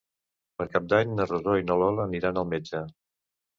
Per Cap d'Any na Rosó i na Lola aniran al metge.